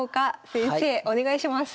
先生お願いします。